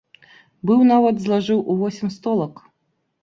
Быў нават злажыў у восем столак.